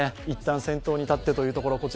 いったん先頭に立ってというところ。